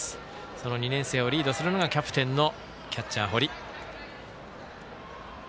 その２年生をリードするのがキャプテンのキャッチャー、堀。